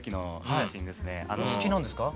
お好きなんですか？